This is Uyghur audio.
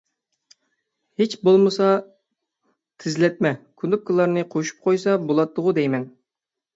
ھېچ بولمىسا، تېزلەتمە كۇنۇپكىلارنى قوشۇپ قويسا بولاتتىغۇ دەيمەن.